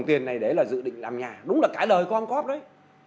tiền này để là dự định làm nhà đúng là cả đời có ông cóp đấy